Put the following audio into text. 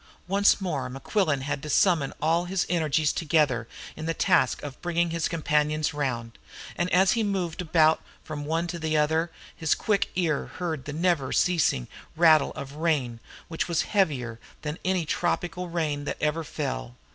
Once more Mequillen had to summon all his energies together in the task of bringing his companions round, and as he moved about from one to the other his quick ear heard the never ceasing rattle of the rain, which was heavier than any tropical rain that ever fell.